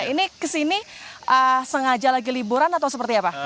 ini kesini sengaja lagi liburan atau seperti apa